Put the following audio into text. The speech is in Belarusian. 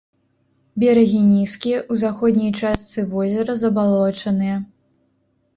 Берагі нізкія, у заходняй частцы возера забалочаныя.